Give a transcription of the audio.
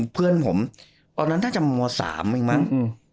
เพื่อนผมตอนนั้นน่าจะม๓เองมั้ง